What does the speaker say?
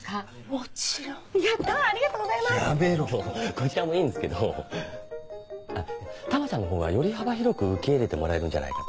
こちらもいいんですけどあったまちゃんの方がより幅広く受け入れてもらえるんじゃないかと。